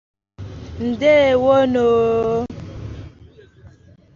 eze ọdịnala abụọ ahụ